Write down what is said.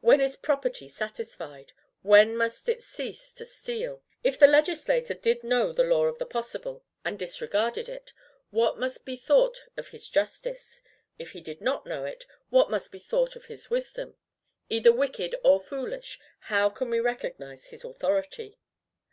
When is property satisfied? When must it cease to steal? If the legislator did know the law of the possible, and disregarded it, what must be thought of his justice? If he did not know it, what must be thought of his wisdom? Either wicked or foolish, how can we recognize his authority?